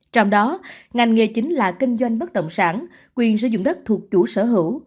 trong đó ngành nghề chính là kinh doanh bất động sản quyền sử dụng đất thuộc chủ sở hữu